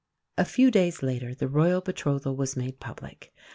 A few days later, the Royal betrothal was made public.